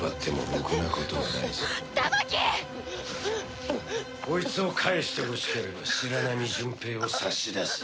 こいつを返してほしければ白波純平を差し出せ。